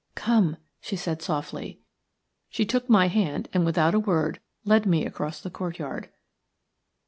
"Come," she said, softly. She took my hand and, without a word, led me across the courtyard.